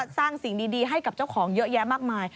สร้างสิ่งดีให้กับเจ้าของเยอะแยะมากมาย